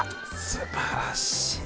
すばらしい。